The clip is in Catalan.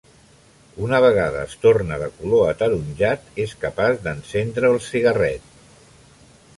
Una vegada es torna de color ataronjat, és capaç d'encendre el cigarret.